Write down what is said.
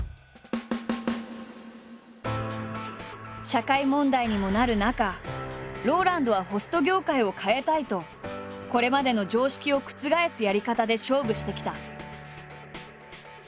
社会問題にもなる中ＲＯＬＡＮＤはホスト業界を変えたいとこれまでの常識を覆すやり方で勝負してきた。